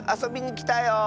きたよ！